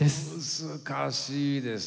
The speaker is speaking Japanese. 難しいですね。